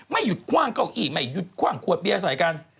ไม่หยุดคว่างเก้าอี้ไม่หยุดคว่างขวดเบียร์ใส่กัน